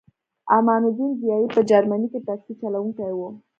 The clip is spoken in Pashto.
امان الدین ضیایی په جرمني کې ټکسي چلوونکی و